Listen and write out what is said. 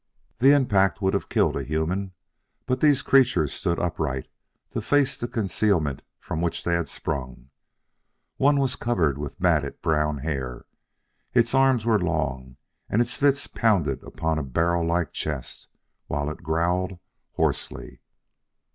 The impact would have killed a human, but these creatures stood upright to face the concealment from which they had sprung. One was covered with matted, brown hair. Its arms were long, and its fists pounded upon a barrel like chest, while it growled hoarsely.